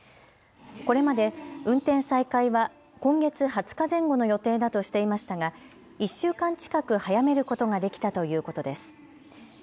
これまで運転再開は今月２０日前後の予定だとしていましたが１週間近く早めることができたということです。